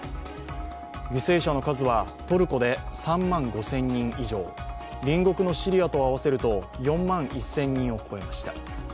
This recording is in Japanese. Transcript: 犠牲者の数はトルコで３万５０００人以上、隣国のシリアと合わせると４万１０００人を超えました。